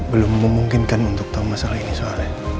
belum memungkinkan untuk tahu masalah ini soalnya